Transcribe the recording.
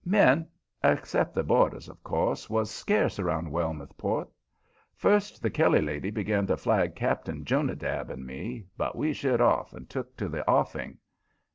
Men except the boarders, of course was scarce around Wellmouth Port. First the Kelly lady begun to flag Cap'n Jonadab and me, but we sheered off and took to the offing.